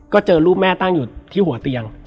ก็เจอรูปแม่ตั้งอยู่ที่หัวเตียง